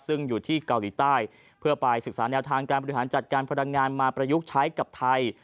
ซึ่งอยู่ที่เกาหลีใต้เพื่อไปศึกษาแนวทางการบริหารจัดการพลังงานมาประยุกต์ใช้กับไทย